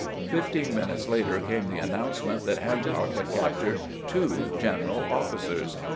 Fifteen minutes later came the announcement that Hancock had captured two general officers.